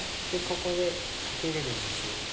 ここでカケれるんです。